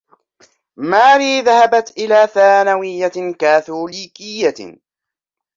ماري ذهبت إلى ثانوية كاثوليكية.